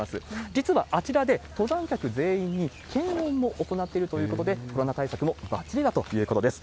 実はあちらで登山客全員に検温を行っているということで、コロナ対策もばっちりだということです。